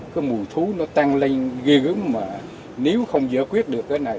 cái mùi thú nó tăng lên ghê gớm mà nếu không giải quyết được cái này